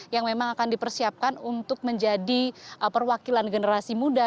yang memang akan dipersiapkan untuk menjadi perwakilan generasi muda